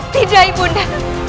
tidak ibu nda